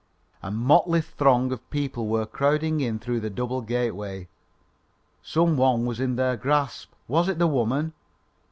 A motley throng of people were crowding in through the double gateway. Some one was in their grasp. Was it the woman?